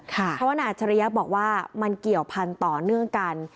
เพราะว่านายอัจฉริยะบอกว่ามันเกี่ยวพันธุ์ต่อเนื่องกัน